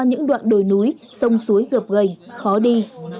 những đoạn đồi núi sông suối gợp gành khó đi